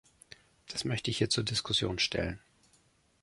Das möchte ich hier zur Diskussion stellen.